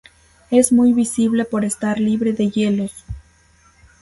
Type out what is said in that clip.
Es muy visible por estar libre de hielos.